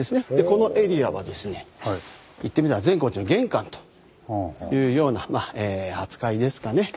このエリアはですね言ってみたらほうほう。というような扱いですかね。